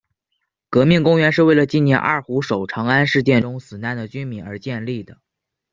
革命公园是为了纪念二虎守长安事件中死难的军民而建立的。